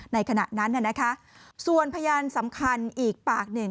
ในขณะนั้นส่วนพยานสำคัญอีกปากหนึ่ง